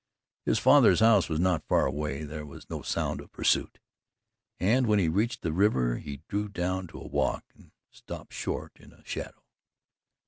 His father's house was not far away, there was no sound of pursuit, and when he reached the river he drew down to a walk and stopped short in a shadow.